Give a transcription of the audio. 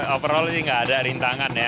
overall ini tidak ada rintangan